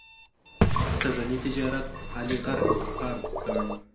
سږني تجارت علي غرق پرق کړ.